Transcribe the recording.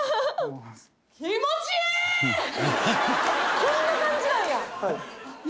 こんな感じなんや。